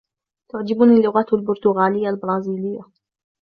تعجبني اللغة البرتغالية البرازيلية.